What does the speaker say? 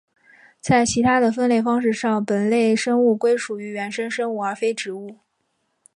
在其他的分类方式上本类生物归属于原生生物而非植物。